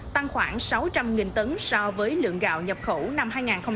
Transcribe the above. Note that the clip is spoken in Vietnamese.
tăng khoảng sáu trăm linh tấn so với lượng gạo nhập khẩu năm hai nghìn hai mươi ba